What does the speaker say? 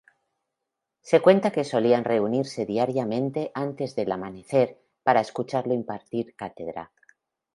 Se cuenta que solían reunirse diariamente antes del amanecer para escucharlo impartir cátedra.